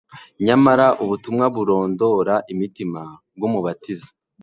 Nyamara ubutumwa burondora imitima bw’Umubatiza